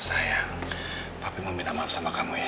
sayang tapi meminta maaf sama kamu ya